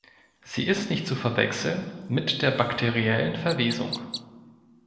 Sie ist nicht zu verwechseln mit der bakteriellen Verwesung.